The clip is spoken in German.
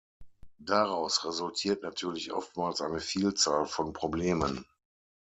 Daraus resultiert natürlich oftmals eine Vielzahl von Problemen.